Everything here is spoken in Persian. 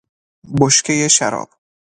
بشکهی شراب